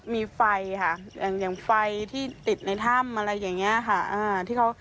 มีไฟค่ะอย่างไฟที่ติดในถ้ำอะไรอย่างนี้ค่ะ